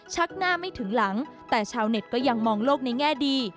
หน้าไม่ถึงหลังแต่ชาวเน็ตก็ยังมองโลกในแง่ดี